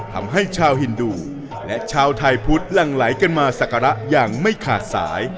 ทำให้ชาวฮินดูและชาวไทยพุทธหลั่งไหลกันมาสักการะอย่างไม่ขาดสาย